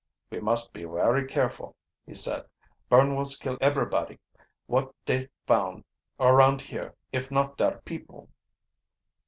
"We must be werry careful," he said. "Burnwos kill eberybody wot da find around here if not dare people."